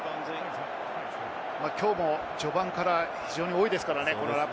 きょうも序盤から非常に多いですからね。